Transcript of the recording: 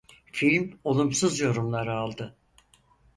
Film olumsuz yorumlar aldı.